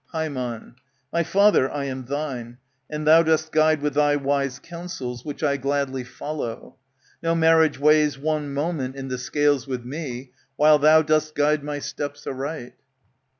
Hamon, My father, I am thine ; and thou dost guide With thy wise counsels, which I gladly follow. No marriage weighs one moment in the scales With me, while thou dost guide my steps aright.